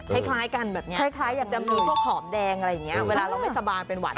ให้คล้ายกันแบบนี้จะมีกล้วงหอมแดงอะไรอย่างนี้เวลาเราไม่สบายเป็นหวัด